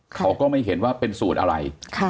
เขาก็ไม่เห็นว่าเป็นสูตรอะไร